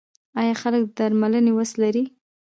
آیا خلک د درملنې وس لري؟